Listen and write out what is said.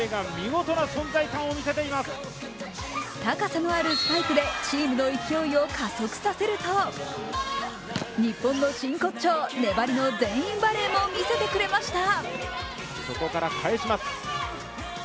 高さのあるスパイクでチームの勢いを加速させると日本の真骨頂、粘りの全員バレーも見せてくれました。